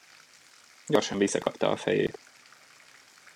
Gyorsan visszakapta a fejét.